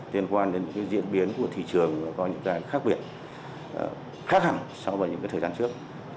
liên quan đến những diễn biến của thị trường có những cái khác biệt khác hẳn so với những thời gian trước